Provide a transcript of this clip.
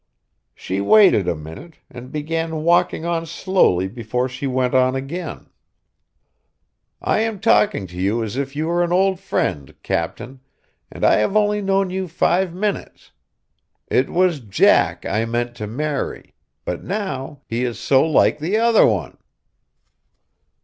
She waited a minute, and began walking on slowly before she went on again. "I am talking to you as if you were an old friend, captain, and I have only known you five minutes. It was Jack I meant to marry, but now he is so like the other one."